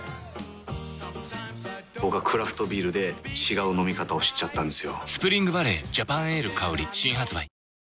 僕はクラフトビールで違う飲み方を知っちゃったんですよ。